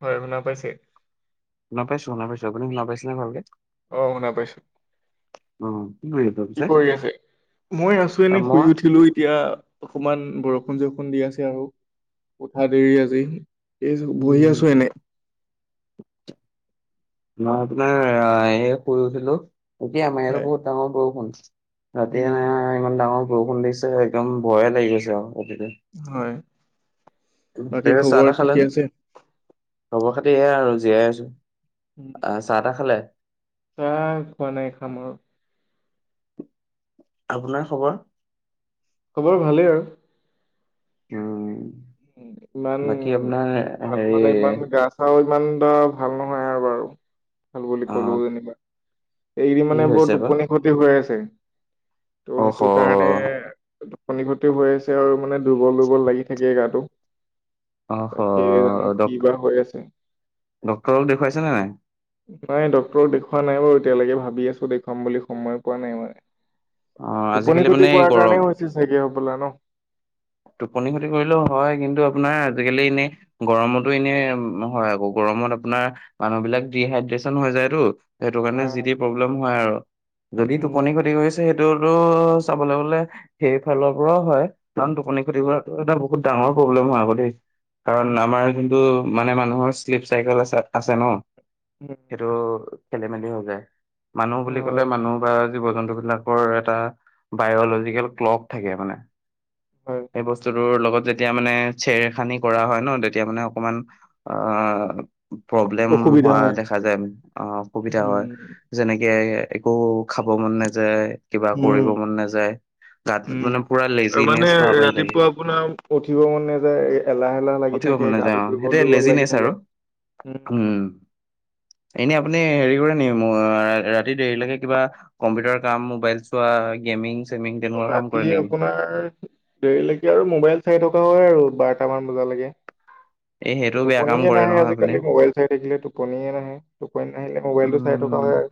হয়, শুনা পাইছে? শুনা পাইছো, শুনা পাইছো। আপুনি শুনা পাইছে নে ভালকে? অঁ শুনা পাইছোঁ। উম কি কৰি আছে? কি কৰি আছে, মই আছো এনে শুই মই উঠিলো এতিয়া অকমান বৰষুণ জৰষুণ দি আছে আৰু উঠা দেৰি আজি। এই বহি উম আছো এনেই। [inaudible] মই আপোনাৰ এ শুই উঠিলো এতিয়া আমাৰ ইয়াত হয় বহুত ডাঙৰ বৰষুণ। ৰাতি এনে উম ইমান ডাঙৰ বৰষুণ দিছে, একদম ভয়ে লাগি গৈছে আও ৰাতিটো। হয় বাকী এনে চাহ খবৰ তাহ ঠিকে খালেনে? আছে খবৰ খাতি এয়া আৰু জীয়াই আছো, উম। চাহ তাহ খালে? চাহ খোৱা নাই খাম আৰু। আপোনাৰ খবৰ? খ'বৰ ভালেই আৰু। উম, উম, ইমান বাকী আপোনাৰ ভাল হেৰি মানে ইমান গা চাও ইমান এটা ভাল নহয় আৰু বাৰু, ভাল বুলি অ ক'লোও যেনিবা। এইকেইদিন কি মানে বৰ হৈছে বা টোপনি ক্ষতি হৈ আছে, ত' অহ সেইটো কাৰণে- টুপনি ক্ষতিও হৈ আছে আৰু মানে দুৰ্বল দুৰ্বল লাগি থাকে গাটো। অহ তাকে জানো কিবা হৈ আছে। ডক্তৰক দেখুৱাইছে নে নাই নাই ডক্টৰক দেখুওৱা নাই বাৰু এতিয়ালৈকে ভাবি আছোঁ দেখুৱাম বুলি, সময় পোৱা নাই মানে। অ আজিকালি টোপনি মানে খতি এই কোৱাৰ গৰম কাৰণেই হৈছে চাগে হবলা ন? টোপনি খতি কৰিলেও হয়, কিন্তু আপোনাৰ আজিকালি এনেই গৰমতো এনে নহয় আকৌ, গৰমত আপোনাৰ মানুহবিলাক ডিহাইড্ৰেচন হৈ যায়তো, সেইটো কাৰণে যি হয়। টি প্ৰব্লেম হয় আৰু। যদি উম টোপনি খতি কৰিছে, সেইটোতো চাবলৈ গলে সেইফালৰ পৰাও হয়। ইমান খতি টোপনি উম, কৰাটো এটা বহুত ডাঙৰ প্ৰব্লেম হয় আক দেই, কাৰণ উম, আমাৰ কিন্তু মানে মানুহৰ চেলিফ চাইকেল আছে আছে ন। উম। সেইটো খেলি মেলি হৈ যায়, মানুহ বুলি কলে হয় মানুহ বা জীৱ জন্তু বিলাকৰ এটা বায়লজিকেল ক্লক থাকে মানে। হয় সেই বস্তু টোৰ লগত যেতিয়া মানে চেৰ খানি কৰা হয় ন তেতিয়া মানে অকমান আঁ প্ৰব্লেম অসুবিধা হোৱা হয় দেখা যায়, অঁ অসুবিধা হয়। উম যেনেকে একো খাব মন নাযায়। কিবা কৰিব উম মন নাযায়, গাত উম মানে পুৰা লে মানে ৰাতিপুৱা আপোনাৰ উঠিব মন নাযায় এলাহ এলাহ লাগি উঠিব মন থাকে নাযায় গাত। অ দুৰ্বল সেইটোৱে দুৰ্বল লাগি লেজিনেচ আৰু থাকে, উম। উম, এনেই আপুনি হেৰি কৰে নেকি অঁ ৰাতি দেৰিলৈকে কিবা কম্পিউটাৰ কাম, মোবাইল চোৱা, গেমিং চেমিং তেনেকুৱা কাম ৰাতি কৰে নেকি আপোনাৰ দেৰিলৈকে আৰু মোবাইল চাই থকা হয় আৰু বাৰটামান বজালৈকে। এই সেইটো বেয়া কাম টোপনিয়ে কৰে নাহে নহয় আপুনি আজিকালি মোবাইল চাই থাকিলেটো। টোপনিয়ে নাহে, টোপনি নাহিলে মোবাইলটো চাই থকা হয় আৰু।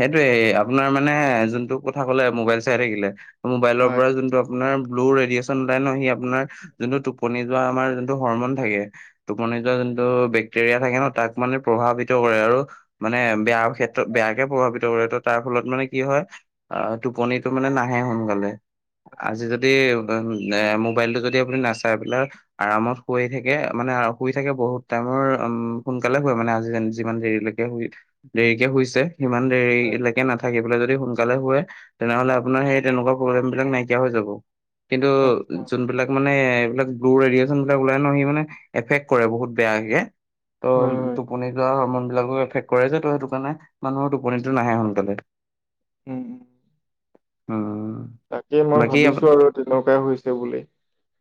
সেইটোয়ে আপোনাৰ মানে যোনটো কথা কলে মোবাইল চাই থাকিলে, মোবাইলৰ হয়। পৰা যোনটো আপোনাৰ ব্লু ৰেডিয়েচন ওলাই ন সি আপোনাৰ যোনটো টোপনি যোৱা আমাৰ যোনটো হৰমন থাকে টোপনি যোৱা যোনটো বেক্টেৰিয়া থাকে ন তাক মানে প্ৰভাৱিত কৰে আৰু। মানে বেয়া ক্ষেত্ৰ বেয়া। কে প্ৰভাৱিত কৰে ত তাৰ ফলত মানে কি হয় অ'টোপনিটো মানে নাহে সোনকালে। আজি যদি [inaudible] মোবাইলটো যদি আপুনি নাচাই পেলাই। আৰামত শুৱেই থাকে মানে, শুই থাকে বহুত টাইমৰ উম, সোনকালে শুৱে মানে আজি যিমান দেৰিলে। দেৰিকে হুইছে সিমান হয় দেৰিলৈকে নাথাকি। [inaudible] যদি সোনকালে শুৱে তেনেহলে আপোনাৰ সেই তেনেকুৱা প্ৰব্লেম বিলাক নাইকিয়া হৈ যাব। কিন্তু আচ্ছা যোনবিলাক। মানে এইবিলাক ব্লু ৰেডিয়েচন বিলাক ওলাই ন সি মানে এফেক্ট কৰে বহুত বেয়াকে। হয় ত' হয় টোপনি যোৱা মন বিলাকো এফেক্ট কৰে যে ত' সেইটো কাৰণে মানুহৰ টোপনিটো নাহে সোনকালে। উম। উম। তাকে মই বাকী ভাবিছো আপ- আৰু তেনেকুৱাই হৈছে বুলি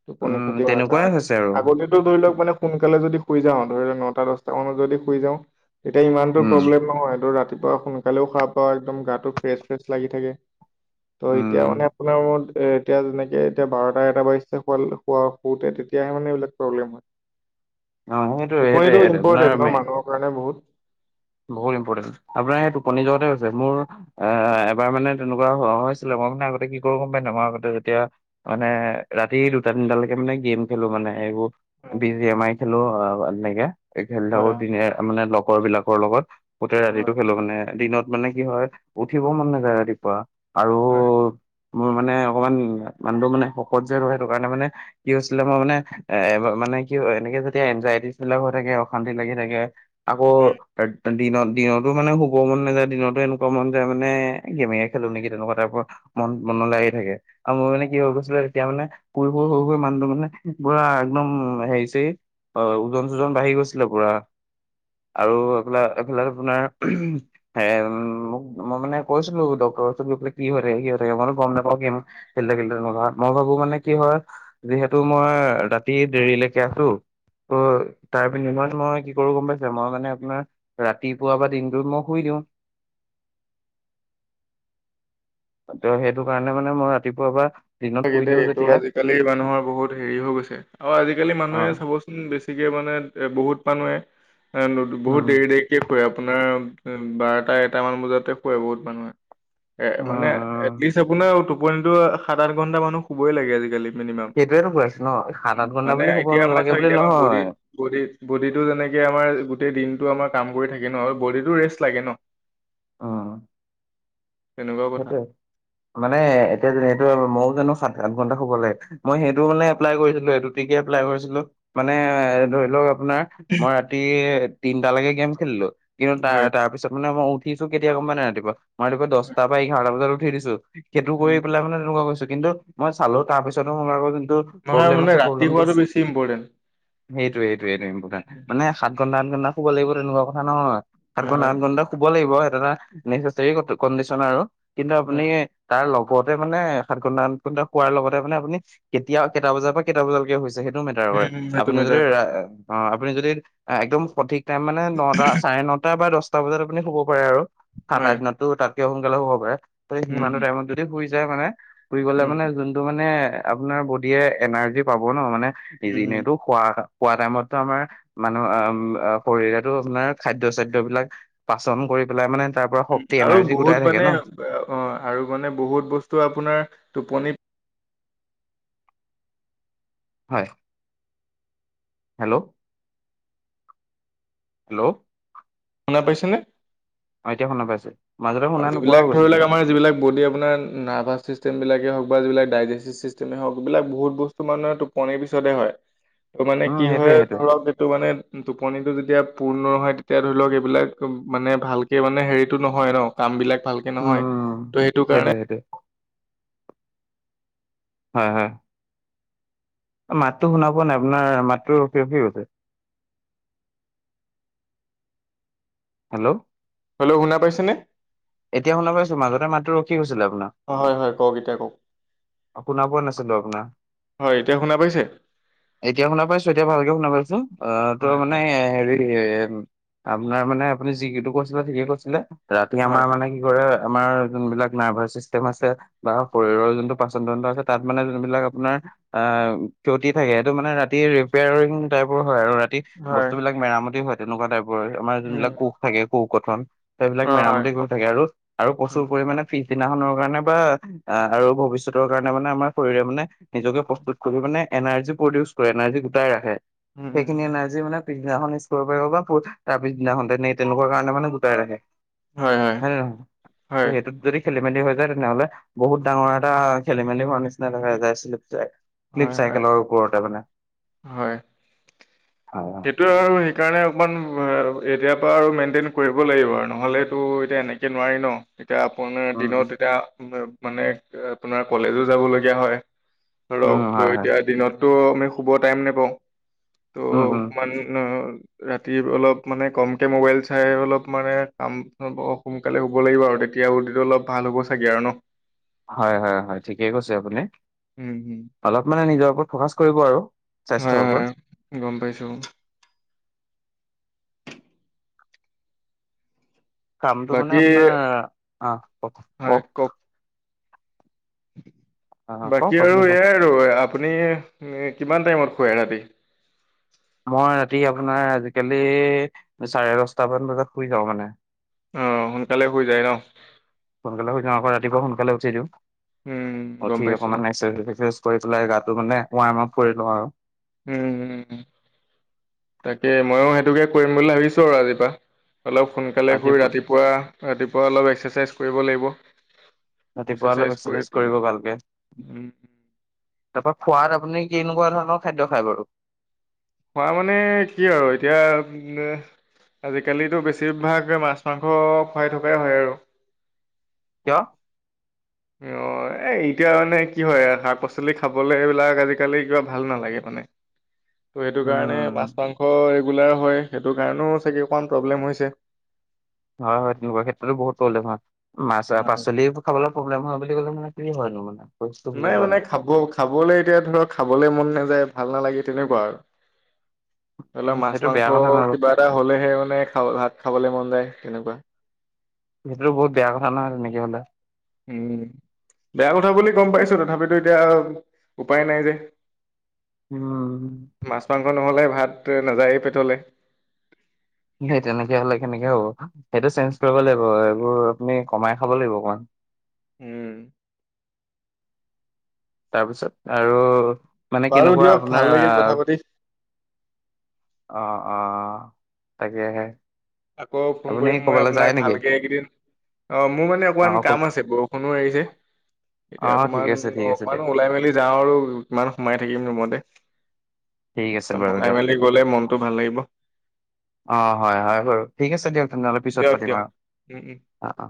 টোপনি উম খটি কৰাৰ তেনেকুৱাই কাৰণে হৈছে আৰু আগ। টো ধৰি লওক মানে সোনকালে যদি শুই যাওঁ ধৰি লক নটা দহটা মানত যদি শুই যাওঁ। তেতিয়া ইমানতো উম। প্ৰব্লেম নহয় তোৰ ৰাতিপুৱা শুন। কালেও সাৰ পাও একদম গাটো ফ্ৰেছ ফ্ৰেছ লাগি থাকে ত' এ। উম, আপোনাৰ মৰত এ এতিয়া যেনেকে এতিয়া বাৰটা এটা বাৰিছে শুৱা শু শুতে তেতিয়াহে মানে এইবিলাক প্ৰব্লেম হয়। অ' সেইটোৱে টোপনিটো সেইটোৱে ইম্পৰ্টেন্ট আপোনাৰ ন মে- মানুহৰ কাৰণে বহুত। বহুত ইম্পৰ্টেণ্ট আপোনাৰ সেই টোপনি যোৱাতে হৈছে মোৰ। এ এবাৰ মানে তেনেকুৱা হ হৈছিলে মই মানে আগতে কি কৰো গম পাইে মই আগতে যেতিয়া। মানে ৰাতি দুটা তিনিটালৈকে মানে গেম খেলো মানে এইবো। উম, বি জি এম আ খেলো অ' এনেকে খেলি থাকো হয়, দিনে মানে লগৰ বিলাকৰ লগত। গোতে ৰাতিটো হয়, খেলো মানে দিনত মানে কি হয় উঠিবও মন নাযায় ৰাতিপুৱা আৰু। হয়। [inaudible] মোৰ মানে অকমান মানুহ মানে শকত যে হয় সেইটো কাৰণে মানে কি হৈছিলে মই মানে। এ মানে কি এনেকে যেতিয়া এনজাইটিলাক হৈ থাকে অশান্তি লাগি থাকে আকৌ। হয়। দিনত দিনতো মানে শুব মন নাযায় দিনতো এনেকুৱা মন যায় মানে গেমে খেলো নেকি তেনেকুৱা টাইপৰ। ম মনলৈ আহি থাকে আৰু মোৰ মানে কি হৈ গৈছিলে তেতিয়া মানে। পূ শুই শুই শুই মানুহটো মানে পুৰা একদম হেৰিছেই। হয় ওজন চোজন বাঢ়ি গৈছিলে পুৰা আৰু। [inaudible] এইফিলাক আপোনাৰ [inaudible] হে উ মোক মই মানে কৈছিলো ডক্তৰ ওচৰত গৈ পেলাই কি হৈ থাকে কি হৈ থাকে তকি ম তো গম নাপাও [inaudible] [inaudible] মই ভাবো মানে কি হয়। যিহেতু মই ৰাতি দেৰিলৈকে আছো। ত তাৰ বিনিময়ন মই কি কৰো গম পাইছ মই মানে আপোনাৰ। ৰাতিপুৱা বা দিনটোত মই শুই দিওঁ। ত সেইটো কাৰণে মানে মই ৰাতিপুৱা পা। তাকে দেই এইটো আজিকালি মানুহৰ বহুত হেৰি হৈ গৈছে আৰু আজিকালি অ মানুহে চাব। বেছিকে মানে এ বহুত মানুহে এ বহুত উম দেৰি দেৰি। কে শুৱে আপোনাৰ বাৰটা এটা মান বজাতে শুৱে বহুত মানুহে। এ মানে উম এটলিষ্ট আপোনাৰ টোপনিতো সাত আঠ ঘন্টা মানুহ শুবই লাগে আজিকালি। মিনিমাম সেইটোৱেতো কৈ আছো ন সাত উ আঠ ঘন্টা মানে বুলি শুব এতিয়া আমাৰ নালাগে চ বুলি এতিয়া আমাৰ বদি। নহয় বডিত বডিটো যেনেকে আমাৰ গোটেই দিনতটো আমাৰ কাম কৰি থাকে ন আৰু বডিটো ৰেষ্ট লাগে ন। অঁ। তেনেকুৱা কথা সেইটো মানে এতিয়া [inaudible] সেইটো মইও জানো সাত আঠ ঘন্টা শুব লাগে। মই সেইটো মানে এপ্লাই কৰিছিলো এইটোটিকে এপ্লাই কৰিছিলো মানে এ ধৰি লওক। আপোনাৰ মই ৰাতি তিনটা লেকে গেম খেলিলো কিন্তু তাৰ হয় তাৰ পিছত মানে মই। উঠছো কেতিয়া গম প নাই ৰাতিপুৱা মই ৰাতিপুৱা হয়। দছটা পৰা এঘাৰটা বজাত উি দিছো। সেইটো কৰি উম পেলাই মানে তেনেকুৱা কৈছো কিন্তু মই চালো তাৰপিছতো ম আকৌ যোনটো। নহয় প্ৰব্লেম মানে আছে ৰাতি প্ৰব্লেমটো শোৱাটো বেছি ইম্পৰ্টেণ্ট। সেইটোৱে সেইটোৱে ইম্পৰ্টেণ্ট মানে সাত ঘন্টা আঠ ঘণ্টা শুব লাগিব তেনেকুৱা কথা নহয় সাত হয় ঘণ্টা হয় আঠণ্টা। শুব লাগিব সেইটো এটা নেচা কমিচনাৰ আৰু কিন্তু আপুনি। হয় তাৰ লগতে মানে সাত ঘণ্টা আঠ ঘণ্টা শুৱাৰ লগতে মানে আপুনি। কেতিয়া কেইটা বজাৰ পৰা কেইটা বজালৈকে হৈছে সেইটো মেটাৰ উম কৰে উম, সেইটো আপুনি যদি মেটাৰ কৰে আ। হয় অ আপুনি যদি একদম সঠিক টাইম মানে নটা চাৰে নটা বা দছটা বজাত আপুনি হ'ব পাৰে আৰু। ঠাণ্ডা হয় দিনততো তাতকে সোনকালে শুব পাৰে ত উম সিমানটো টাইমত যদি শুই যায় মানে। শুই গ'লে উম মানে যোনটো মানে আপোনাৰ বড়িয়ে এনাৰ্জি পাব ন মানে উম ইজি উম নে এইটো। খোৱা খোৱা টাইমতো আমাৰ মানুহ আ আ শৰীৰেতো চলাই আপোনাৰ খাদ্য চাদ্য বিলাক। পাচন কৰি পেলাই মানে তাৰ পৰা উম শক্তি আৰু এনাৰ্জি গো। বহুত মানে অ আৰু মানে বহুত বস্তু আপোনাৰ টোপনিত। হয়। হেল্ল'। হেল্ল'। শুনা পাইছেনে। অ এতিয়া শুনা পাইছো। মাজতে শুনা নোপোৱা যিবিলাক হৈ ধৰি গৈছিলো লওক আমাৰ যিবিলাক বডি আপোনাৰ। নাৰ্ভাছ ছিষ্টেমবিলাকেই হওক বা যিবিলাক দাইৰেচ ছিষ্টেমেই হওক এইবিলাক বহুত বস্তু মানে টোপনিৰ পিছতেই হয়। ত মানে উম কি সেইটোয়ে হয় সেইটোয়ে ধৰক এইটো মানে। টোপনিটো যেতিয়া পূৰ্ণ হয় তেতিয়া ধৰি লওক এইবিলাক মানে ভালকে মানে হেৰিটো নহয় ন। কাম বিলাক ভালকে নহয় উম ত' সেইটো কাৰণে। সেইটোয়ে সেইটোয়ে হয়- হয়। মাততো শুনা পোৱা নাই আপোনাৰ মাতটো ৰখি ৰখি গৈছে। হেল্ল'। হেল্ল শুনা পাইছেনে। এতিয়া শুনা পাইছো মাজতে মাতটো ৰখি গৈছিলে আপোনাৰ। অ হয় -হয় -কওক এতিয়া কওক শুনা পোৱা নাছিলো আপোনাৰ হয় এতিয়া শুনা পাইছে। এতিয়া শুনা পাইছো এতিয়া ভালকে শুনা পাইছো আহ তই হয় মানে হয়। হেৰি। এ আপোনাৰ মানে আপুনি যি কিটো কৈছিলে ঠিকে কৈছিলে ৰাতি আমাৰ হয় মানে কি কৰে। আমাৰ যোনবিলাক নাৰ্ভাছ চিষ্টেম আছে বা শৰীৰৰ যোনটো। পাচন ডন্দ আছে তাত মানে যোনবিলাক আপোনাৰ। অ ক্ষতি থাকে সেইটো মানে ৰাতি ৰিপেয়াৰিং টাইপৰ হয় আৰু ৰাতি। হয় বস্তুবিলাক মেৰামতি হয় তেনেকুৱা টাইপৰ আমাৰ উম যোনবিলাক কোষ থাকে কোষ গঠন। সেইবিলাক অ' হয় মেৰামতি কৰি থাকে আৰু -আৰু উম -প্ৰচুৰ পৰিমানে পিছদিনাখনৰ কাৰণে বা আৰু ভৱিষ্যত। পেটৰ কাৰণে মানে আমাৰ শৰীৰে মানে নিজকে প্ৰস্তুত কৰি মানে এনাৰ্জি প্ৰডিউচ কৰে এনাৰ্জি গোটাই ৰাখে। উম উম সেইখিনিয়ে এনাৰ্জি মানে পিছদিনাখন। কৰিব পাৰিব বা তাৰ পিছ দিনাখনতে তেনেকুৱা কাৰণে মানে গোটাই ৰাখে। হয় -হয়। হয় হয় সেইটোত যদি খেলি মেলি হৈ যায় তেনেহ'লে বহুত ডাঙৰ এটা খেলিমেলি হোৱা নিচিনা। নাই নাই নাই ছিলিপ যায় ছিলিপ হয় হয় হয়। চাইকেলৰ ওপৰতে মানে। হয়। হয় হয় ত আৰু সেইকাৰণে অকণমান এতিয়াৰ পৰা আৰু মেইনটেইন কৰিব লাগিব আৰু নহ'লেতো এতিয়া এনেকৈ এনেকে নোৱাৰি ন এতিয়া আপোনাৰ উম উম দিনত এতিয়া মানে আপোনাৰ কলেজো যাব লগীয়া হয় উম ধৰক হয় হয় এতিয়া দিনতটো আমি শুব টাইম নেপাওঁ উম হুম [unintelligible] ৰাতি অলপ মানে কমকে মোবাইল চাই অলপ মানে কাম অ সোনকালে শুব লাগিব আৰু তেতিয়া বডিটো অলপ ভাল হ'ব চাগে আৰু ন হয় হয় হয় ঠিকেই কৈছে আপুনি উম হুম অলপ মানে নিজৰ ওপৰত ফকাচ কৰিব আৰু হয়, স্বাস্থ্যৰ ওপৰত হয় গম পাইছোঁ কামটো মানে বাকী আপোনাৰ অ কও কওক আহ কওক বাকী আপুনি আৰু কওক এয়াই আৰু আপুনি কিমান টাইমত শুৱে ৰাতি মই ৰাতি আপোনাৰ আজিকালি চাৰে দচটামান বজাত শুই যাওঁ মানে অ সোনকালে শুই যায় ন সোনকালে শুই যাওঁ আকৌ ৰাতিপুৱা সোনকালে উঠি দিওঁ উম গম উঠি পাইছো অকণমান এক্সাৰচাইজ [unintelligible] কৰি পেলাই গাটো মানে ৱাৰ্ম আপ কৰি লওঁ আৰু উম তাকে ময়ো সেইটোকে কৰিম বুলি ভাবিছোঁ আৰু আজিৰ পৰা অলপ সোনকালে আজি শুই ৰাতিপুৱা ৰাতিপুৱা অলপ এক্সাৰচাইজ কৰিব লাগিব ৰাতিপুৱা অলপ কৰি এক্সাৰচাইজ পেলাই কৰিব ভালকে উম, তাৰ পৰা খোৱাত আপুনি কেনেকুৱা ধৰণৰ খাদ্য খায় বাৰু খোৱা মানে কি আৰু এতিয়া এহ আজিকালিতো বেছিভাগ মাছ মাংস খোৱাই থকাই হয় আৰু কিয় [unintelligible] এ এতিয়া মানে কি হয় শাক পাচলি খাবলে এইবিলাক আজিকালি কিবা ভাল নালাগে মানে [inaudible] ত' সেইটো কাৰণে মাছ উম, মাংস ৰেগুলাৰ হয় সেইটো কাৰণেও চাগে অকণমান প্ৰব্লেম হৈছে হয় হয় তেনেকুৱা ক্ষেত্ৰতো বহুত প্ৰব্লেম হয় মাছ পাচলি এইবোৰ খাবলৈ প্ৰব্লেম হোৱা বুলি ক'লে মানে কি হয়নো মানে বস্তু বুজি নাই পোৱা মানে খাব খাবলে এতিয়া ধৰক খাবলে মন নাযায় ভাল নালাগে তেনেকুৱা আৰু ধৰি লওক মাছ সেইটো মাংস বেয়া কথা নহয় আৰু। কিবা এটা হলেহে মানে খাব ভাত খাবলে মন যায় তেনেকুৱা সেইটোতো বহুত বেয়া কথা নহয় তেনেকে হ'লে উম বেয়া কথা বুলি গম পাইছো তথাপিতো এতিয়া উপায় নাই যে উম মাছ মাংস নহলে ভাত নাযায়েই পেটলে সেই তেনেকে হলে কেনেকে হ'ব সেইটো চেঞ্জ কৰিব লাগিব এইবোৰ আপুনি কমাই খাব লাগিব অকমান উম তাৰপিছত আৰু মানে বাৰু কেনেকুৱা দিয়ক ভাল আপোনাৰ লাগিল আহ কথা পাতি। অ অ তাকেহে আকৌ ফোন আপুনি কৰিম মই ক'বালৈ যায় আপোনাক নেকি ভালকে এইকেইদিন অ মোৰ মানে অ অকণমান ক কাম আছে বৰষুণো এৰিছে অ এতিয়া ঠিক অকণমান আছে ঠিক আছে অকমান দিয়ক ওলাই মেলি যাওঁ আৰু কিমান সোমাই থাকিম ৰুমতে, ঠিক আছে অকনমান বাৰু ওলাই দিয়ক মেলি গলে মনটো ভাল লাগিব। অ হয় হয় বাৰু ঠিক আছে দিয়ক উম, তেনেহ'লে পিছত দিয়ক পাতিম দিয়ক আৰু, উম উম। অ অ।